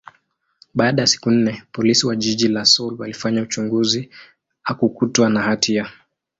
baada ya siku nne, Polisi wa jiji la Seoul walifanya uchunguzi, hakukutwa na hatia.